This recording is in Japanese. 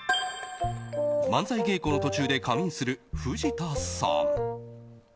漫才稽古の途中で仮眠する藤田さん。